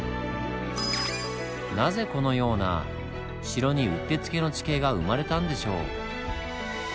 なぜこのような城にうってつけの地形が生まれたんでしょう？